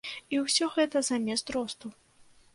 І ўсё гэта замест росту.